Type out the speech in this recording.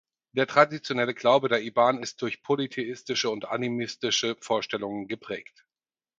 Der traditionelle Glaube der Iban ist durch polytheistische und animistische Vorstellungen geprägt.